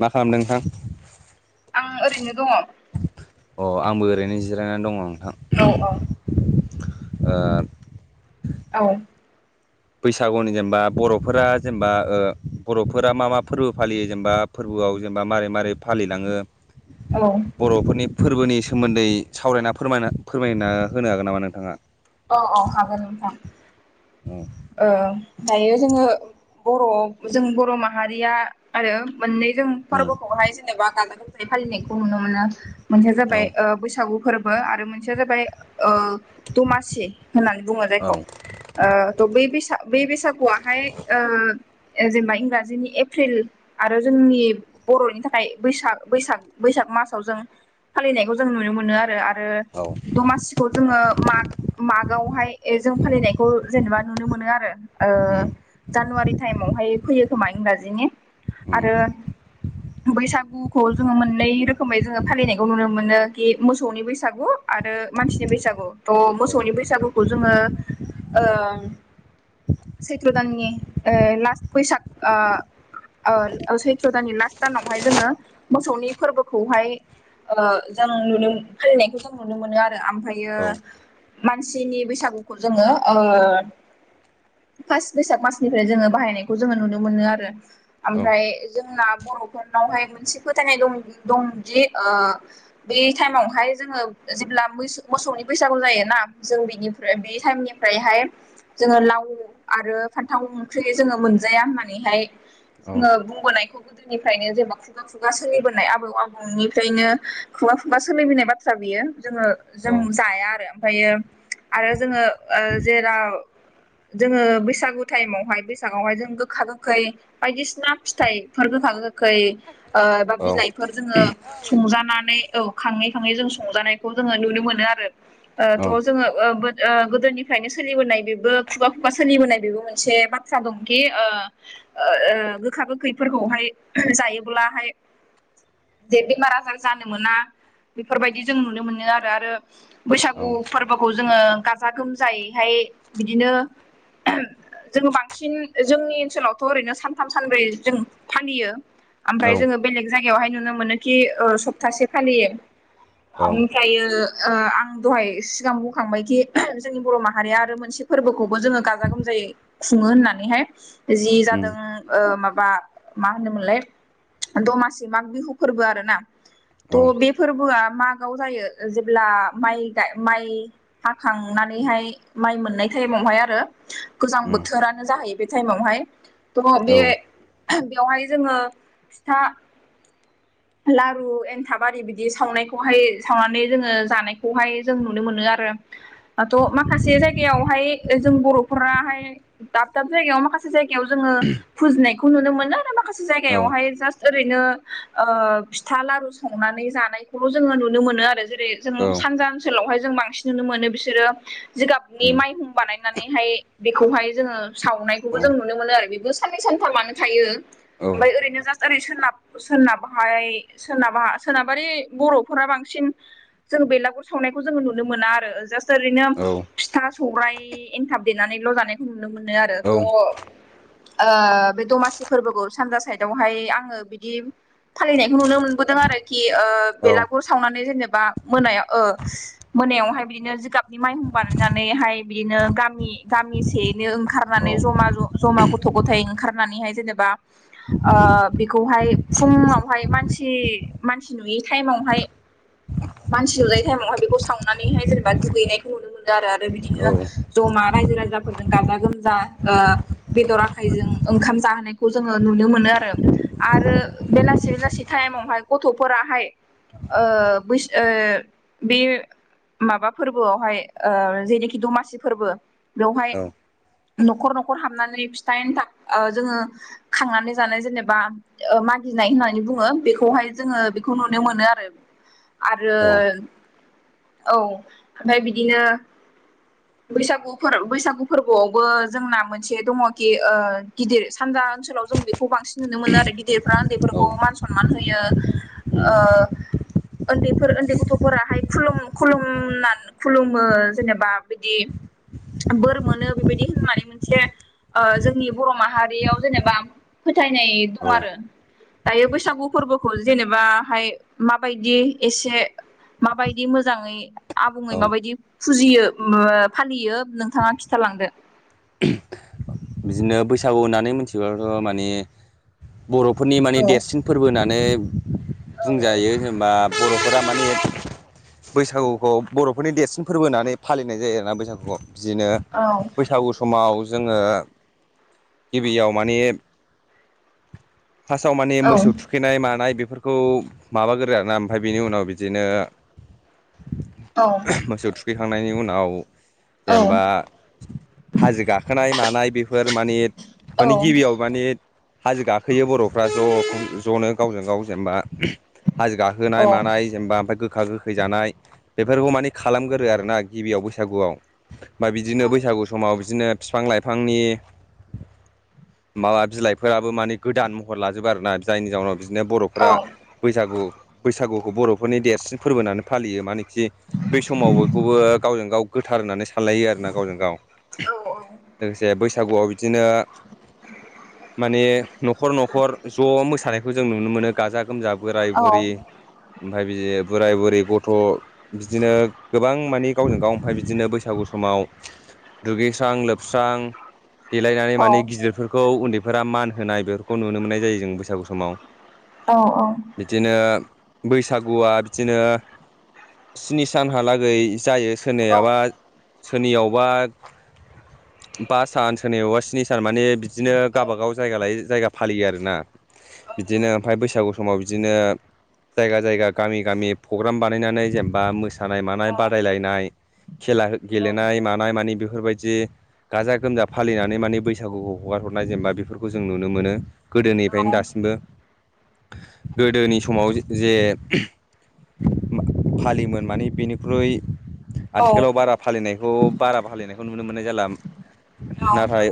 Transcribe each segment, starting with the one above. मा खालामदों नोंथां? आं ओरैनो दङ। अ आंबो ओरैनो जिरायनानै दङ। औ औ। ओ औ। बैसागुनि जेनेबा बर'फोरा जेनेबा बर'फोरा मा मा फोरबो फालियो जेनेबा फोरबो फोरबोआव जेनेबा मारै मारै फालिलाङो औ बर'फोरनि फोरबोनि सोमोन्दै सावरायना फोरना फोरमायना होनो हागोन नामा नोंथाङा औ औ हागोन नोंथां औ दायो जोङो बर' जों बर' माहारिया आरो मोननै जों उम फोरबोखौहाय जेनेबा गाजा गोमजायै फालिनायखौ नुनो मोनो मोनसेया औ जाबाय बैसागु फोरबो आरो मोनसेया जाबाय दमासि होननानै बुङो जायखौ त बै बैसागुआहाय जेनेबा इंराजिनि एप्रिल आरो जोंनि बर'नि थाखाय बैसाग बैसाग बैसाग मासाव जों फालिनायखौ जों नुनो मोनो आरो। आरो औ दमासिखौ जोङो माग मागआवहाय जों फालिनायखौ जेनेबा नुनो मोनो आरो उम जानुवारि टाइमावहाय फैयो खोमा इंराजिनि उम आरो बैसागुखौ जोङो मोननै रोखोमै जोङो फालिनायखौ नुनो मोनो कि मोसौनि बैसागु आरो आरो मानसिनि बैसागु थ' औ मोसौनि बैसागुखौ जोङो सैथ्र दाननि लास्ट बैसाग आ सैथ्र' दाननि लास्ट दानावहाय जोङो मोसौनि फोरबोखौहाय जों नुनो फालिनायखौ जों नुनो मोनो आरो ओमफ्रायो औ मानसिनि बैसागुखौ जोङो [inaudible] फास बैसाग मासनिफ्राय जोङो बाहायनायखौ जोङो नुनो मोनो आरो औ ओमफ्राय जोंना बर'फोर मोनसे फोथायनायं दंदि बे टाइमावहाय जोङो जेब्ला मोसौनि बैसागु जायो ना जों बेनिफ्राय बे टाइमनिफ्रायहाय जोङो लाव आरो फान्थाव ओंख्रि जोङो मोनजाया होननानैहाय औ जोङो बुंबोनायखौ गोदोनिफ्रायनो जेनेबा खुगा खुगा सोलिबोनाय आबौ आबौनिफ्रायनो खुगा खुगा सोलिबोनाय बाथ्रा बियो जोङो जों जाया आरो ओमफ्रायो आरो जोङो जेेराव [inaudible] जोङो बैसागु टाइमावहाय बैसागआवहाय जों गोखा गोखै बायदिसिना फिथाइ फोर गोखा-गोखै एबा औ बिलाइफोर जोङो संजानानै औ खाङै खाङै जों संजानायखौ जोङो नुनो मोनो आरो औ थ' जोङो गोदोनिफ्रायनो सोलिबोनाय बे खुगा खुगा सोलिबोनाय बेबो मोनसे बाथ्रा दंखि ओ गोखा-गोखैफोरखौ बेहाय जायोब्लाहाय जे बेमार आजार जानो मोना बेफोरबायदि जों नुनो मोनो आरो आरो बैसागु फोरबोखौ जोङो गाजा गोमजायैहाय बिदिनो जोङो बांसिन जोंनि ओनसोलावथ' ओरैनो सानथाम सानब्रै जों फालियो। ओमफ्राय जोङो बेलेग जायगायावहाय नुनो मोनोखि सप्तासे फालियो। औ ओमफ्रायो ओ आं दहाय सिगां बुंखांबायखि जोंनि बर' माहारिया आरो मोन मोनसे फोरबोखौबो जोङो गाजा गोमजायै खुङो होननानैहाय जि उम जादों ओ माबा मा होनोमोनलाय दमासि माग बिहु फोरबो आरो ना। औ थ' बे फोरबोआ मागाव जायो जेब्ला माइ माइ हाखांनानै माइ हाखांनानैहाय माइ मोन मोननाय टाइमावहाय आरो गोजां उम बोथोरानो जाहैयो बे थाइमावहाय औ बेवहाय जोङो फिथा [inaudible] लारु,। एन्थाब आरि बिदि सावनायखौहाय सावनानै जोङो जानायखौहाय जों नुनो मोनो आरो दाथ' माखासे जायगा जायगायावहाय जों बर'फोराहाय दाब दाब जायगायाव माखासे जायगायाव जोङो फुजिनायखौ नुनो मोन आरो माखासे औ जायगायावाहाय जा ओरैनो ओ फिथा लारु संनानै जानायखौल' जोङो नुनो मोनो आरो जेरै जों सानजा ओनसोलावहाय जों बांसिन नुनो मोनो बिसोरो जिगाब नि उम माइहुं बानायनानैहाय बेखौहाय जोङो सावनायखौबो जों औ नुनो मोनो आरो बेबो साननै सानथामानो थायो। ओमफाय औ ओरैनो जास्ट ओरै सोनाब सोनाबहाय सोनाबा सोनाबारि बर'फोरा बांसि इन जों बेलागुर सावनायखौ जोङो नुनो मोना आरो जास्ट ओरैनो औ फिथा सौराइ एनथाब देनानैल' जानायखौ नुनो मोनो आरो त' ओ बे दमासि फोरबोखौ सानजा साइदावहाय आङो बिदि फालिनायखौ नुनो मोनबोदों आरोखि ओ औ बेलागुर सावनानै जेनेबा मोनायाव ओ मोनायावहाय बिदिनो जिगाबनि माइहुं बानायनानैहाय बिदिनो गामि गामिसेनो औ ओंखारनानै जमा ज' जमा गथ' गथाय ओंखारनानैहाय जेनेबा ओ बेखौहाय फुंआवहाय मानसि मानसि नुयै टायेमावहाय मानसि नुलायै टाइमावहाय बेखौ सावनानैहाय जेनेबा दुगैनायखौ नुनो मो नों आरो आरो औ बिदिनो जमा रायजो राजाफोरजों गाजा गोमजा ओ बेदर आखायजों ओंखाम जाहोनायखौ जोङो नुनो मोनो आरो आरो बेलासि बेलासि टाइमावहाय गथ'फोरा हाय ओ बैस ओ बे माबा फोरबोआवहाय ओ जेनोखि दमासि फोरबो बेवहाय न'खर न'खर हाबनानै फिथा एन्थाब ओ जोङो खांनानै जानाय जेनेबा ओ मागि नाय होननानै बुङो बेखौहाय जोङो बेखौ नुनो मोनो आरो आरो औ औ ओमफाय बिदिनो बैसागु फोर बैसागु फोरबोआवबो जोंना मोनसे दङ'खि ओ गिदिर सानजा ओनसोलाव जों बेखौ बांसिन नुनो मोनो आरो गिदिरफ्रा गेदेरफोरखौ मान सनमान होयो ओ उन्दैफोर उन्दै गथ'फोराहाय खुलुम खुलुमना खुलुमो जेनेबा बिदि बोर मोनो बेबायदि होननानै मोनसे ओ जोंनि बर' माहारियाव जेनेबा फो थायनाय दं आरो दायो बैसागु फोरबोखौ जेनेबाहाय माबायदि एसे माबायदि मोजाङै आ औ बुङै माबायदि फुजियो [unintelligible] फालियो नोंथाङा खिथालांदो। [inaudible] बिदिनो बैसागु होननानै मिथिबाथ' माने बर'फोरनि माने औ देरसिन फोरबो होनना नै बुंजायो जेनबा बर'फोरा माने बैसागुखौ बर'फोरनि देरसिन फोरबो होननानै फालिनाय जायो आरो ना बैसागुखौ। बिदिनो औ बैसागु समाव जोङो गिबियाव माने फासाव माने औ मोसौ थुखैनाय मानाय बे बेफोरखौ माबागोरो आरो ना ओमफाय बेनि उनाव बिदिनो औ मोसौ थुखैखांनायनि उनाव औ जेनेबा हाजो गाखोनाय मानाय बे फोर माने औ माने गिबियाव माने हाजो गाखोयो बर'फ्रा ज' [unintelligible] ज'नो गावजों गाव जेनबा हाजो गाखोनाय औ मानाय जेनबा ओमफाय गोखा गोखै जानाय। बेफोरखौ मानि खालामगोरो आरो ना गिबियाव बैसागुआव मा बिदिनो बैसागु समाव बिदिनो फिफां लाइ लाइफांनि माबा बिलाइफोराबो माने गोदान महर लाजोबो आरो ना जायनि जाउनाव बिदिनो औ बर'फोरा बैसागु बैसागुखौ बर'फोरनि देरसिन फोरबो होनानै फालियो मा ओनो [unintelligible] बे समाव बयखौबो गावजों गाव गोथार होननानै सानलायो आरो ना गावजों गाव। औ लोगोसे बैसागुआव बिदिनो माने न'खर न'खर ज' मोसानायखौ जों नुनो मोनो गाजा [unintelligible] बोराय बुरि औ ओमफ्राय बिदि बोराय बुरि गथ' बिदिनो गोबां मानि गावजों गाव ओमफ्राय बिदिनो बैसागु समाव दुगैस्रां लोबस्रां देलायनानै औ माने औ गिदिरफोरखौ उन्दैफोरा मान होनाय बेफोरखौ नुनो मोननाय जायो जों बैसागु समाव। बिदिनो बैसागुआ बिदिनो स्नि सानहालागै जायो। सोरनियावबा पास सान सोरनि आव स्नि सान माने बिदिनो गावबागाव जायगा लायै जायगा फालियो आरोना। बिदिनो ओमफ्राय बैसागु समाव बिदिनो जायगा जायगा गामि गामि प्रग्राम बानायनानै जेनेबा मोसानाय मानाय बादायलायनाय खेला गेलेनाय मानाय मानि बेफोरबायदि गाजा गोमजा फालिनानै माने बैसागुखौ हगार हरनाय जेनेबा बेफोरखौ जों नुनो मोनो। गोदोनिफ्रायनो दासिमबो। गोदोनि समाव जे फालियोमोन माने बेनिख्रुइ आथिखालाव बारा फालिनायखौ नुनो मोननाय जाला नाथाय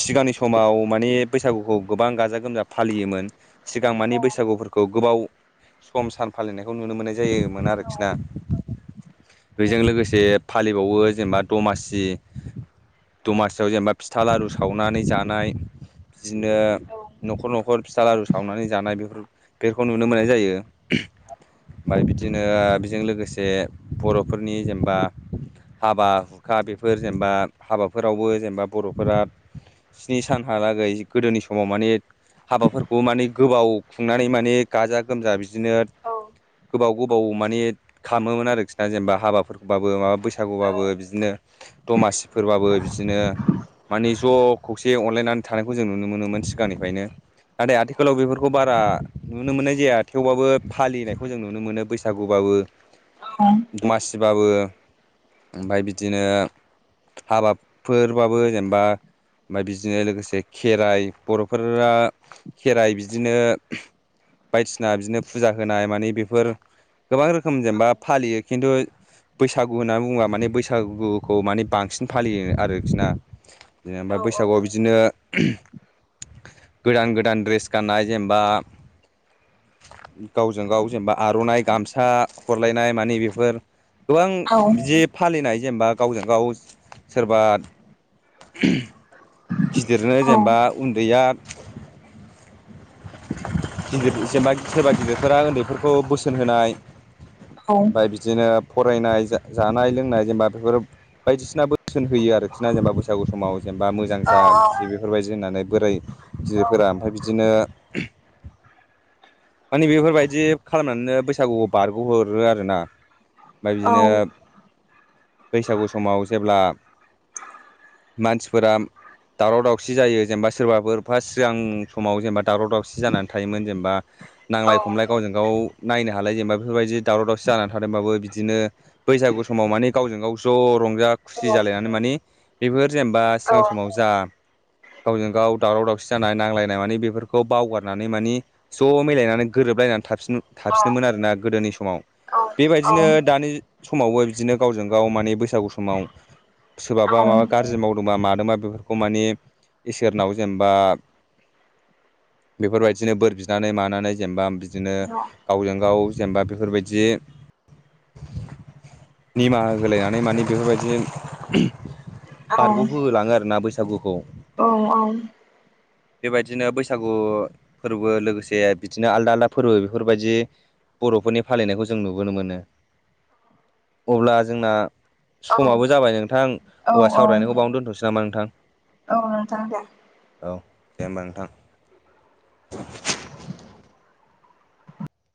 सिगांनि समाव माने बैसागुखौ गोबां गाजा गोमजा फालियोमोन सिगां माने बैसागुखौ खौ गोबाव सम सान फालिनायखौ नुनो मोन्नाय जायोमोन आरोखि ना। बेजों लोगोसे फालिबावो जेनेबा दमासि दमासियाव जेनेबा फिथा लारु सावनानै जानाय बिदिनो न'खर न'खर फिथ लारु सावनानै जानाय बेफोरखौ नुनो मोननाय जायो। ओमफ्राय बिदिनो बेजों लोगोसे बर'फोरनि जेनेबा हाबा हुखा बेफोर जेनेबा हाबाफोरावबो जेनेबा बर'फोरा स्नि सानहालागै गोदोनि समाव माने हाबाफोरखौ माने गोबाव खुंनानै माने गाजा गोमजा बिदिनो गोबाव गोबाव मानि खालामोमोन आरोखि ना जेनेबा हाबाफोरखौबाबो बैसागुबाबो बिदिनो दमासिफोरबाबो बिदिनो माने ज' खौसे अनलायनानै थानायखौ जों नुनो मोनोमोन सिगांनिफ्रायनो। नाथाय आथिखालाव बेफोरखौ बारा नुनो मोननाय जाया थेवबाबो फालिनायखौ जों नुनो मोनो बैसागुबाबो उम। बाबो ओमफ्राय बिदिनो हाबा फोरबाबो जेनेबा ओमफ्राय बिदिनो लोगोसे खेराइ बर'फोरा खेराइ बिदिनो बायदिसिना बिदिनो फुजा होनाय मानिे बेफोर गोबां रोखोम जेनेबा फालियो खिन्थु बैसागु होननानै बुङोबा माने बैसागुखौ माने बांसिन फालियो आरोखिना बिनो ओमफ्राय बैसागुआव बिदिनो गोदान गोदान ड्रेस गाननाय जेनेबा गावजों गाव जेनेबा आर'नाइ गामसा हरलायनाय मानिे बेफोर गोबां औ बिदि फालिनाय जेनेबा गावजों गाव सोरबा गिदिरनो औ जेनेबा उन्दैया [unintelligible] गिदिर जेनेबा सोरबा गिदिरफोरा उन्दैफोरखौ बोसोन होनाय औ ओमफ्राय बिदिनो फरायनाय जानाय लोंनाय जेनेबा बेफोर बायदिसिना बोसोन होयो आरोखि ना जेनेबा बैसागु समाव जेनेबा मोजां जा बि बेफोरबायदिनो होननानै बोराइ गिदिरफोरा ओमफफ्राय बिदिनो माने बेफोरबायदि खालामनानैनो बैसागुखौ बारग'हरो आरोोना। ओमफ्राय बिदिनो बैसागु समाव जेब्ला मानसिफोरा दावराव दावसि जायो जेनेबा सोरबाफोर फार्स्ट सिगां समाव जेनेबा दावराव दावसि जानानै थायोमोन जेनेबा नांलाय खमलाय गावजों गाव नायनो हालाय जेनेबा बेफोरबायदि दावराव दावसि जानानै थादोंबाबो बिदिनो बैसागु समाव माने गावजों गाव ज' रंजा खुसि जालायनानै माने बेफोर जेनेबा सिगां समाव जा गावजों गाव दावराव दावसि जानाय नांलायनाय माने बेफोरखौ बावगारनानै मान ज' मिलायनानै गोरोबलायनानै न [unintelligible] थाफिनोमोन आरोना गोदोनि समाव औ बेबायदिनो दानि समावबो बिदिनो गावजों गाव माने बैसागु समाव सोरबाबा माबा गाज्रि मावदोंबा मा खौ मानिे इसोरनाव जेनेबा बेफोरबायदिनो बोर बिनानै मानानै जेनेबा बिदिनो गावजों गाव जेनेबा बेफोरबायदि निमाहोगोलायनानै माने बेफोरबायदि बारग' हो लाङो आरो ना बैसागुखौ औ औ बेबायदिनो बैसागु फोरबो लोगोसे बिदिनो आलदा आलदा फोरबो बेफोरबायदि बर'फोरनि फालिनायखौ जों नुबोनो मोनो अब्ला जोंना समाबो जाबाय नोंथां सावरायनायखौ बावनो दोनथ'सै नामा नोंथां? औ नोंथां दे औ दे होमबा नोंथां